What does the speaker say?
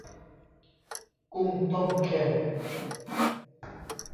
กุ้งต้มเค็ม